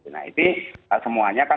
nah itu semuanya kan